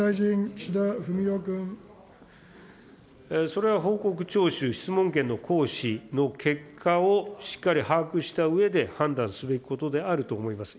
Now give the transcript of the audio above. それは報告聴取、質問権の行使の結果をしっかり把握したうえで判断すべきことであると思います。